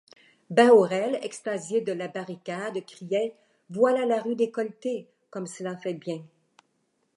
Bahorel, extasié de la barricade, criait: — Voilà la rue décolletée! comme cela fait bien !